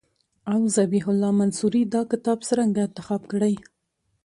او ذبیح الله منصوري دا کتاب څرنګه انتخاب کړی.